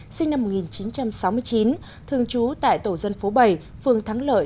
lê quang thái sinh năm một nghìn chín trăm sáu mươi chín thường trú tại tổ dân phố bảy phường thắng lợi